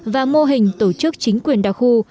và mô hình tổ chức chính quyền đặc khu